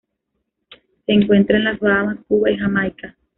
Se encuentra en las Bahamas, Cuba y Jamaica.